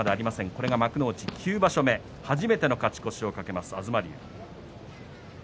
これが幕内９場所目初めての勝ち越しを懸けます東龍。